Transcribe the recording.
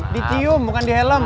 ditium bukan dihelm